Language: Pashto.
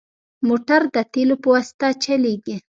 موټر د تیلو په واسطه چلېږي.